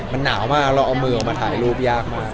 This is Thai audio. มันหนาวมากเราเอามือออกมาถ่ายรูปยากมาก